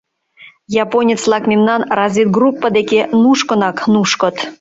Японец-влак мемнан разведгруппа деке нушкынак нушкыт.